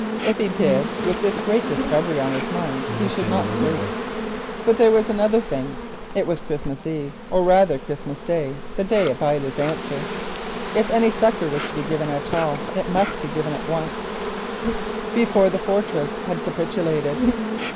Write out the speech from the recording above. If he did, with this great discovery on his mind he should not sleep. There was another thing; it was Christmas Eve, or rather Christmas Day, the day of Ida's answer. If any succour was to be given at all, it must be given at once, before the fortress had capitulated.